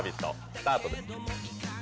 スタートです。